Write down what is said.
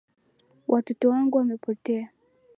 Watoto wangu wamepotea